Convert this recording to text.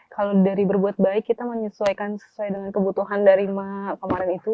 kalau dari berbuat baik kita menyesuaikan sesuai dengan kebutuhan dari kemarin itu